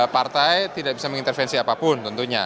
partai tidak bisa mengintervensi apapun tentunya